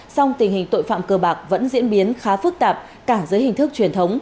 song tình hình tội phạm cờ bạc vẫn diễn biến khá phức tạp cả dưới hình thức truyền thống